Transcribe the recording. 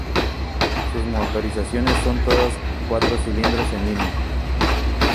Sus motorizaciones son todas cuatro cilindros en línea.